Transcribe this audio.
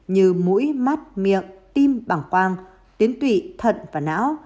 như mũi mắt miệng tim bằng quang tiến tụy thận và não